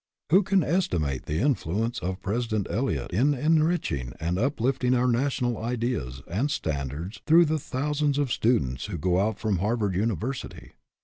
Who can estimate the influence of Presi dent Eliot in enriching and uplifting our national ideas and standards through the thou sands of students who go out from Harvard University?